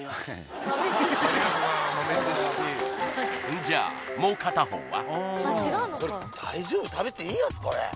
んじゃあもう片方は？